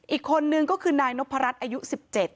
อีกคนหนึ่งก็คือนายนพรรดิอายุ๑๗ปี